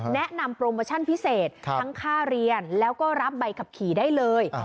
แนะนำโปรโมชั่นพิเศษทั้งค่าเรียนแล้วก็รับใบขับขี่ได้เลย